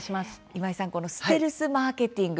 今井さんこのステルスマーケティング。